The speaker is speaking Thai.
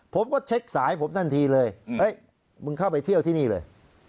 ผมก็เช็คสายผมทันทีเลยเฮ้ยมึงเข้าไปเที่ยวที่นี่เลย